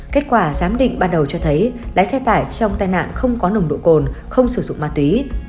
kết quả giám định ban đầu cho thấy lái xe tải trong tai nạn không có nồng độ cồn không sử dụng ma túy